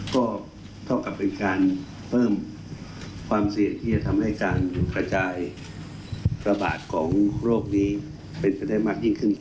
ก็เท่ากับเป็นการเพิ่มความเสี่ยงที่จะทำให้การกระจายระบาดของโรคนี้เป็นไปได้มากยิ่งขึ้น